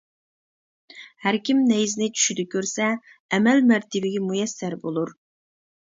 ھەركىم نەيزىنى چۈشىدە كۆرسە، ئەمەل-مەرتىۋىگە مۇيەسسەر بولۇر.